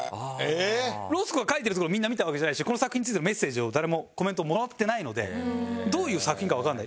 ロスコが描いてるところをみんな見たわけじゃないしこの作品についてのメッセージを誰もコメントをもらってないのでどういう作品かわからない。